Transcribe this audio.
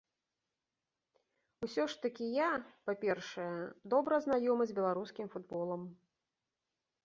Усё ж такі я, па-першае, добра знаёмы з беларускім футболам.